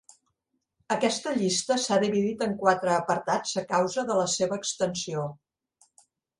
"Aquesta llista s'ha dividit en quatre apartats a causa de la seva extensió:"